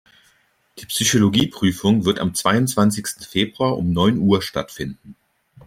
Die Psychologie-Prüfung wird am zweiundzwanzigsten Februar um neun Uhr stattfinden.